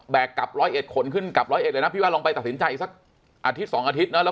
กลับร้อยเอ็ดขนขึ้นกับร้อยเอ็ดเลยนะพี่ว่าลองไปตัดสินใจอีกสักอาทิตย์๒อาทิตย์นะ